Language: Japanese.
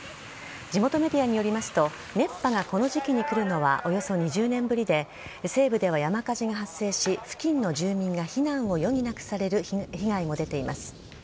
地元メディアによりますと熱波がこの時期に来るのはおよそ２０年ぶりで西部では山火事が発生し付近の住民が避難を余儀なくされる被害も出ています。